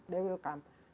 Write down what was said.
mereka akan datang